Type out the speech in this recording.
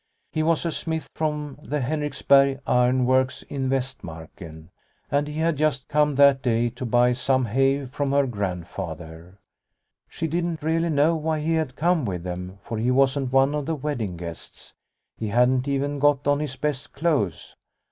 He was a smith from the Henriksberg ironworks in Vastmarken, and he had just come that day to buy some hay from her Grandfather. She didn't really know why he had come with them, for he wasn't one of the wedding guests. He hadn't even got on his best clothes.